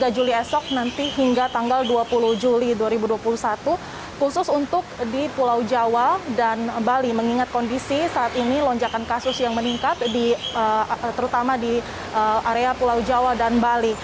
dua puluh juli esok nanti hingga tanggal dua puluh juli dua ribu dua puluh satu khusus untuk di pulau jawa dan bali mengingat kondisi saat ini lonjakan kasus yang meningkat terutama di area pulau jawa dan bali